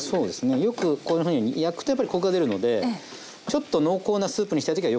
よくこんなふうに焼くとやっぱりコクが出るのでちょっと濃厚なスープにしたい時はよくやりますね。